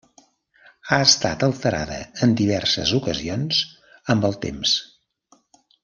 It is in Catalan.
Ha estat alterada en diverses ocasions amb el temps.